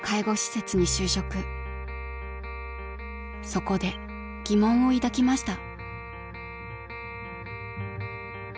［そこで疑問を抱きました］